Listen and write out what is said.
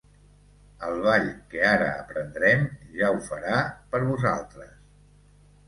El ball que ara aprendrem ja ho farà per vosaltres.